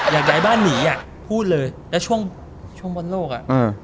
อยากย้ายบ้านหนีอ่ะพูดเลยแล้วช่วงช่วงบนโลกอ่ะ